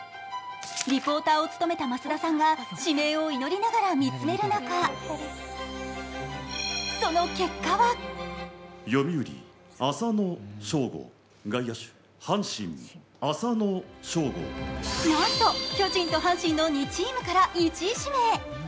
リポーターを務めた増田さんが指名を祈りながら見つめる中その結果はなんと巨人と阪神の２チームから１位指名。